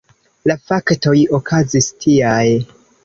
La faktoj okazis tiaj.